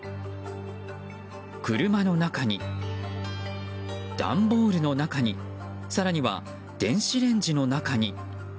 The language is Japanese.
車の中に、段ボールの中に更には電子レンジの中に。